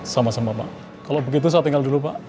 sama sama pak kalau begitu saya tinggal dulu pak